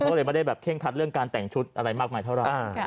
เขาเลยมาได้เคร่งคัดเรื่องการแต่งชุดอะไรมากมายเท่ารัก